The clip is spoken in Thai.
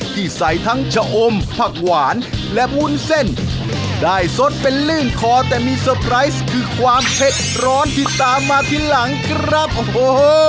ที่ใส่ทั้งชะอมผักหวานและวุ้นเส้นได้สดเป็นลื่นคอแต่มีเตอร์ไพรส์คือความเผ็ดร้อนที่ตามมาทีหลังครับโอ้โห